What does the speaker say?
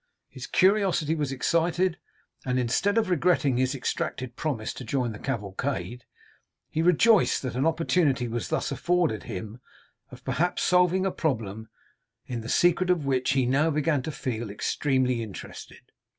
His curiosity was excited, and, instead of regretting his extracted promise to join the cavalcade, he rejoiced that an opportunity was thus afforded him of perhaps solving a problem in the secret of which he now began to feel extremely interested.